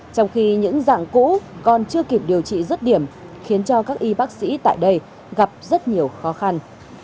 trong khi những dạng cũ còn chưa kịp điều trị rất điểm khiến cho các y bác sĩ tại đây gặp rất nhiều khó khăn